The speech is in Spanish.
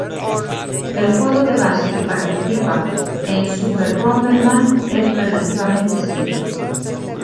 El juego de base que participa en Super Bomberman es relativamente simple.